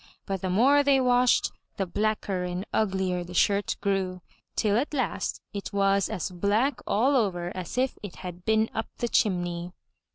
But the more they washed, the blacker and uglier the shirt grew, till at last it was as black all over as if it had been up the chimney.